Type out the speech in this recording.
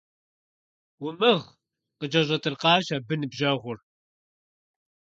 Умыгъ! – къыкӀэщӀэтӀыркъащ абы ныбжьэгъур.